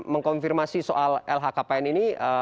mengkonfirmasi soal lhkpn ini